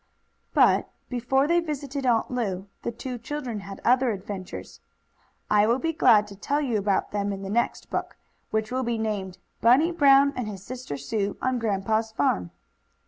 But, before they visited Aunt Lu, the two children had other adventures. I will be glad to tell you about them in the next book, which will be named: "Bunny Brown and His Sister Sue on Grandpa's Farm."